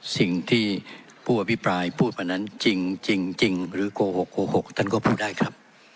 สิ่งที่ผู้อภิปรายพูดมานั้นจริงหรือโกหกโกหกท่านก็พูดได้ครับ